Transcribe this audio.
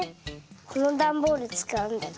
このダンボールつかう。